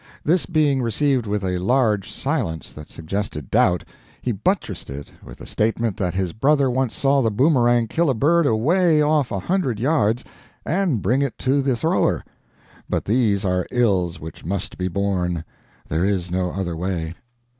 This being received with a large silence that suggested doubt, he buttressed it with the statement that his brother once saw the boomerang kill a bird away off a hundred yards and bring it to the thrower. But these are ills which must be borne. There is no other way.